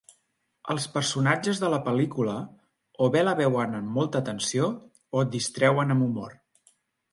Els personatges de la pel·lícula o bé la veuen amb molta atenció o et distreuen amb humor.